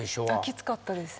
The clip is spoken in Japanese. きつかったです。